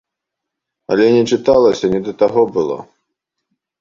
Але не чыталася, не да таго было.